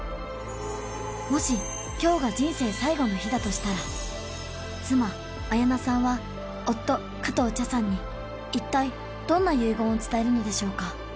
もし今日が人生最後の日だとしたら妻綾菜さんは夫加藤茶さんに一体どんな結言を伝えるのでしょうか？